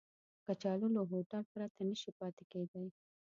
کچالو له هوټل پرته نشي پاتې کېدای